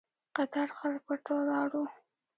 قطار خلک ورته ولاړ وي.